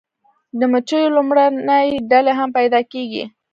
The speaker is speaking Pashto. د مچیو لومړنۍ ډلې هم پیدا کیږي